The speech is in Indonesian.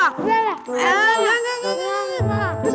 enggak enggak enggak